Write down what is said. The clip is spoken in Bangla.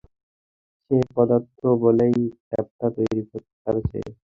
সে পদার্থ বলেই চাপটা তৈরি করতে পারছে।